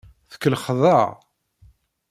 Tkellxeḍ-aɣ.